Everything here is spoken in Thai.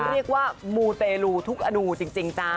เรียกว่ามูเตรลูทุกอนูจริงจ้า